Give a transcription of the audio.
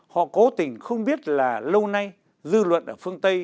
họ cố tình không biết là lâu nay dư luận ở phương tây